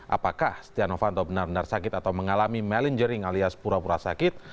apakah stiano fanto benar benar sakit atau mengalami melingering alias pura pura sakit